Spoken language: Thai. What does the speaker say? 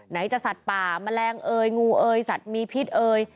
จะสัตว์ป่าแมลงเอยงูเอยสัตว์มีพิษเอ่ย